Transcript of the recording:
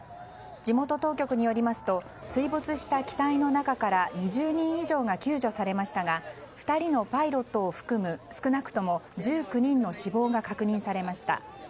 地元当局によりますと水没した機体の中から２０人以上が救助されましたが２人のパイロットを含む少なくとも１９人の死亡が確認されました。